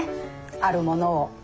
あるものを。